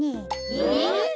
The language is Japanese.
えっ？